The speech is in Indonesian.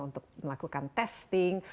untuk melakukan testing